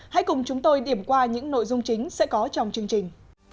hãy cùng chúng tôi điểm qua những nội dung chính sẽ có trong chương trình